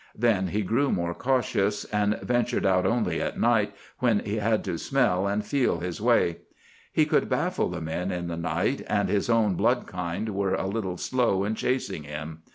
Then he grew more cautious, and ventured out only at night, when he had to smell and feel his way. He could baffle the men in the night, and his own blood kind were a little slow in chasing him.